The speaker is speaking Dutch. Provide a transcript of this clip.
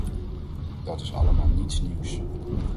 Dat is allemaal niets nieuws.